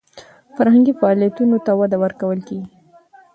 فرهنګي فعالیتونو ته وده ورکول کیږي.